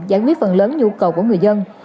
giải quyết phần lớn nhu cầu của người dân